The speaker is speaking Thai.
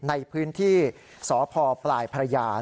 ในพื้นที่สพปลายพระยา